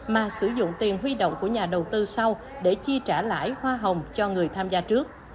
mà sử dụng tiền huy động của nhà đầu tư sau để chi trả lại hoa hồng cho người tham gia trước